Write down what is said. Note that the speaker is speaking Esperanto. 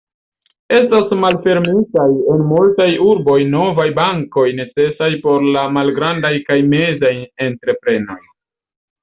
Estas malfermitaj en multaj urboj novaj bankoj necesaj por la malgrandaj kaj mezaj entreprenoj.